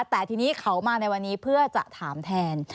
แต่ทีนี้เขามาในวันนี้เพื่อจะถามแทน